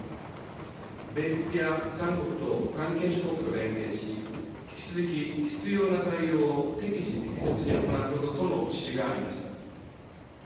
米国や韓国と関係諸国と連携し引き続き必要な対応を適時、適切に行うこととの指示がありました。